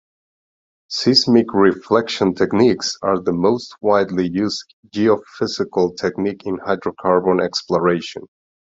Seismic reflection techniques are the most widely used geophysical technique in hydrocarbon exploration.